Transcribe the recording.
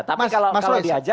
tapi kalau diajak